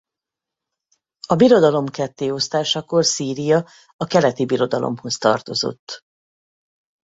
A birodalom kettéosztásakor Szíria a keleti birodalomhoz tartozott.